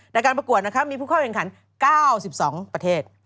การประกวดนะครับมีผู้เข้าแข่งขัน๙๒ประเทศ